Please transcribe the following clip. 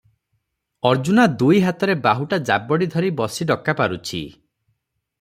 ଅର୍ଜୁନା ଦୁଇ ହାତରେ ବାହୁଟା ଯାବଡ଼ି ଧରି ବସି ଡକା ପାରୁଛି ।